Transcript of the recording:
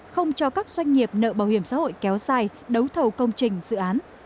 không cho các doanh nghiệp nợ bảo hiểm xã hội kéo dài đấu thầu công trình dự án